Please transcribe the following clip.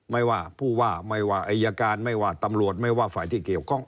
ไม่ว่าผู้ว่าไม่ว่าอายการไม่ว่าตำรวจไม่ว่าฝ่ายที่เกี่ยวข้อง